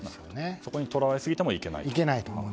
そこにとらわれすぎてもいけないと。